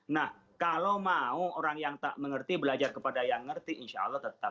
nah kalau mau orang yang tak mengerti belajar kepada yang ngerti insya allah tetap